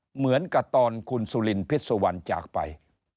เหมือนกับตอนคุณสุลินพิษสุวรรณจากไป